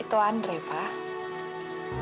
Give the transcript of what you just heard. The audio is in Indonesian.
itu andre pak